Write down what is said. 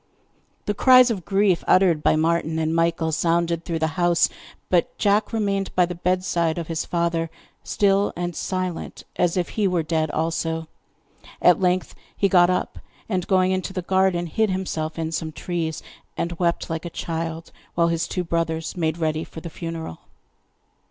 The cries of grief uttered by Martin and Michael sounded through the house, but Jack remained by the bedside of his father, still and silent, as if he were dead also. At length he got up, and going into the garden, hid himself in some trees, and wept like a child, while his two brothers made ready for the funeral.